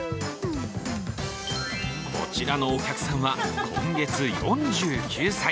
こちらのお客さんは今月４９歳。